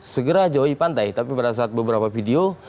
segera jauhi pantai tapi pada saat beberapa video